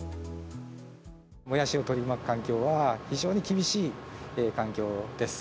もやしを取り巻く環境は、非常に厳しい環境です。